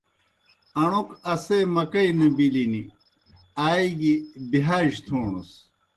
اݨوْک اسے مکئی نہ بِلِن آ گیْ بِہاج تھوݨَس۔